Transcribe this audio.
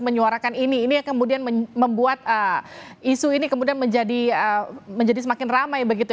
menyuarakan ini ini yang kemudian membuat isu ini kemudian menjadi semakin ramai begitu